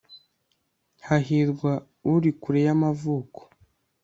hahirwa, uri kure y'amavuko